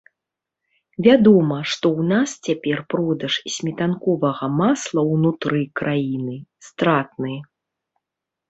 Вядома, што ў нас цяпер продаж сметанковага масла ўнутры краіны стратны.